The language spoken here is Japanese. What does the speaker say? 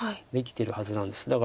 できてるはずなんです。